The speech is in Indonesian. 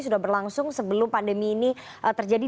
sudah berlangsung sebelum pandemi ini terjadi